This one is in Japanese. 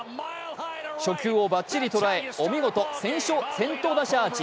初球をばっちり捉え、お見事、先頭打者アーチ。